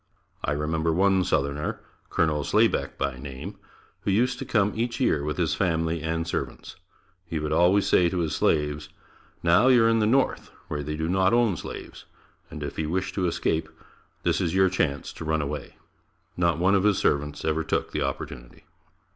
I remember one southerner, Colonel Slaybeck, by name, who used to come each year with his family and servants. He would always say to his slaves, "Now you are in the north where they do not own slaves, and if you wish to escape, this is your chance to run away." Not one of his servants ever took the opportunity.